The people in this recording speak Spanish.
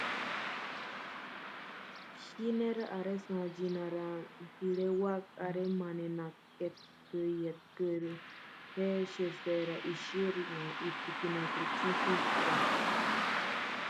Este tipo de metamorfosis implica cambios graduales y falta la etapa de pupa.